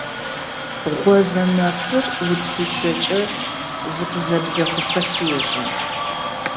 Гъозэнэфыр уцышъокӏэ зыкъызэблехъуфэ сежэ.